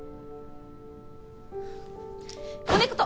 コネクト！